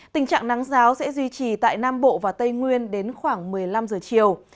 tình trạng nắng giáo sẽ duy trì tại nam bộ và tây nguyên đến khoảng một mươi năm giờ chiều